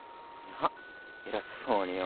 なっ偉そうによ。